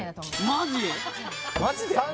マジ！？